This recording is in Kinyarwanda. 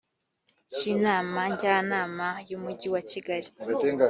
cy inama njyanama y umujyi wa kigali